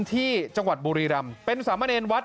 ที่จังหวัดบุรีรัมเป็นศาลเมอร์เอนวัทย์